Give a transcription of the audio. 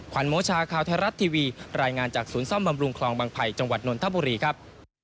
วันโมชาข่าวไทยรัฐทีวีรายงานจากศูนย์ซ่อมบำรุงคลองบางไผ่จังหวัดนนทบุรีครับ